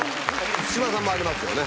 満島さんもありますよね。